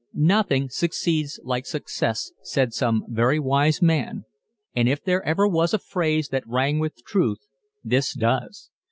"Nothing succeeds like success," said some very wise man and if there ever was a phrase that rang with truth this does.